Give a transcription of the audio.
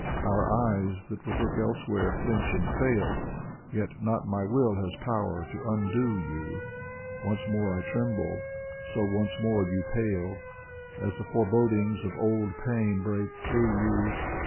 Our eyes that would look elsewhere flinch and fail, Yet not my will has power to undo you. Once more I tremble, so once more you pale, As the forebodings of old pain break through you.